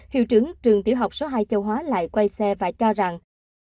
hiệu trưởng trường tiểu học số hai châu hóa lại quay xe phải cho rằng